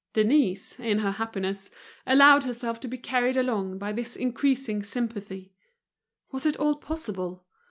Denise, in her happiness, allowed herself to be carried along by this increasing sympathy. Was it all possible?